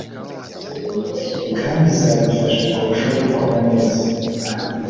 kandi izabifasha kurushaho gukora neza